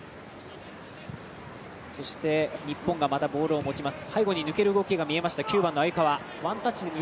そして、日本がまたボールを持ちます。